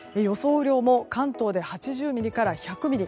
雨量も関東で８０ミリから１００ミリ